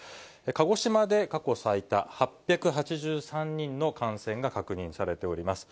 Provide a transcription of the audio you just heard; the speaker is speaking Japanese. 鹿児島で過去最多、８８３人の感染が確認されております。